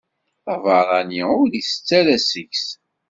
Abeṛṛani ur itett ara seg-s.